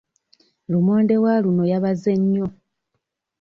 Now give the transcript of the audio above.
Lumonde wa luno yabaze nnyo.